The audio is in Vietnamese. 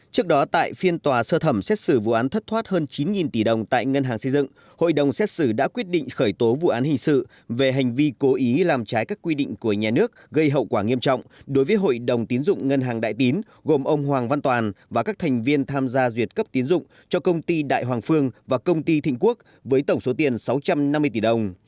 trước đó tại phiên tòa sơ thẩm xét xử vụ án thất thoát hơn chín tỷ đồng tại ngân hàng xây dựng hội đồng xét xử đã quyết định khởi tố vụ án hình sự về hành vi cố ý làm trái các quy định của nhà nước gây hậu quả nghiêm trọng đối với hội đồng tiến dụng ngân hàng đại tín gồm ông hoàng văn toàn và các thành viên tham gia duyệt cấp tiến dụng cho công ty đại hoàng phương và công ty thịnh quốc với tổng số tiền sáu trăm năm mươi tỷ đồng